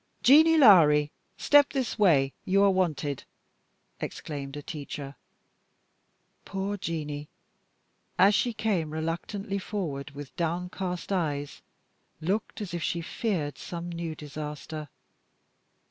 "Jeanie Lowrie, step this way; you are wanted," exclaimed a teacher. Poor Jeanie, as she came reluctantly forward with downcast eyes, looked as if she feared some new disaster.